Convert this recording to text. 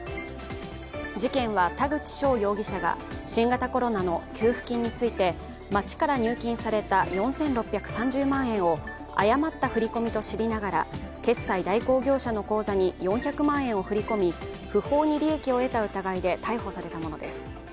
事件は、田口翔容疑者が新型コロナの給付金について町から入金された４６３０万円を誤った振り込みと知りながら決済代行業者の口座に４００万円を振り込み、不法に利益を得た疑いで逮捕されたものです。